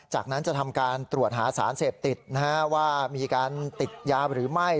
จากนั้นจะทำการตรวจหาสารเสพติดว่ามีการติดยาหรือไม่